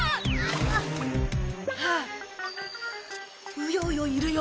ウヨウヨいるよ。